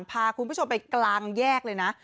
พาคุณผู้ชมไปกลางแยกเลยนะ